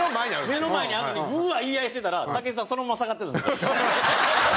目の前にあるのにブワーッ言い合いしてたら武智さんそのまま下がって。